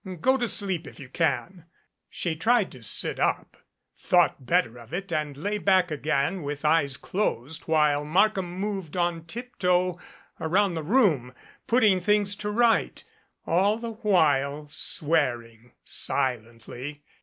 Go to sleep if you can." She tried to sit up, thought better of it and lay back again with eyes closed, while Markham moved on tiptoe around the room putting things to rights, all the while swearing silently.